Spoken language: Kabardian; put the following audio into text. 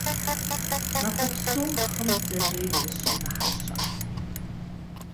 Махуэ псом хъым бдзэжьей къыщимыхьэ щыӏэт.